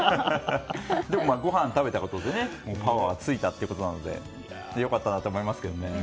でも、ごはんを食べたことでパワーがついたということなので良かったなと思いますけどね。